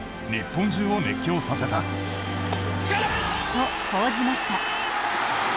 と、報じました。